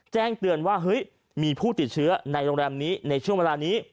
แจ้งเตือนว่าเฮ้ยมีผู้ติดเชื้อในโรงแรมนี้ในช่วงเวลานี้